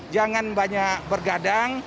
jangan banyak bergadang